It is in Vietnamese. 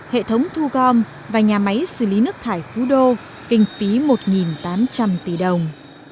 hệ thống thu gom và nhà máy xử lý nước thải phú đô kinh phí một tám trăm linh tỷ đồng